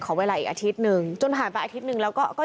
เวลาอีกอาทิตย์หนึ่งจนผ่านไปอาทิตย์หนึ่งแล้วก็ก็